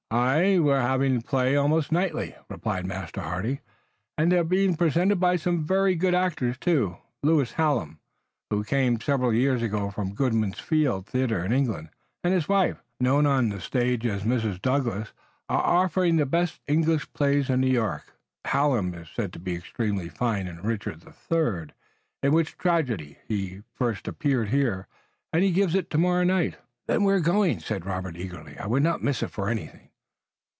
"Aye, we're having plays almost nightly," replied Master Hardy, "and they're being presented by some very good actors, too. Lewis Hallam, who came several years ago from Goodman's Fields Theater in England, and his wife, known on the stage as Mrs. Douglas, are offering the best English plays in New York. Hallam is said to be extremely fine in Richard III, in which tragedy he first appeared here, and he gives it tomorrow night." "Then we're going," said Robert eagerly. "I would not miss it for anything."